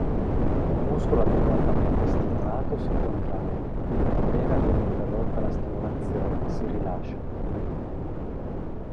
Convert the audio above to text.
Un muscolo adeguatamente stimolato si contrae, appena viene interrotta la stimolazione si rilascia.